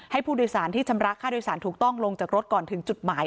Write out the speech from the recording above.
ให้ผู้โดยสารที่ชำระค่าโดยสารถูกต้องลงจากรถก่อนถึงจุดหมาย